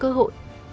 tạo ra cơ hội